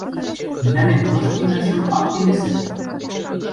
Мӹлӓнем кыш кемӓшӹм ак келесӹ!..